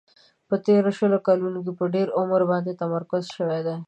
په تیرو شلو کلونو کې په ډېر عمر باندې تمرکز شوی دی.